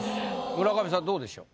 村上さんどうでしょう？